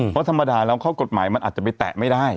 เพราะธรรมดาแล้วข้อกฎหมายมันอาจจะไปแตะไม่ได้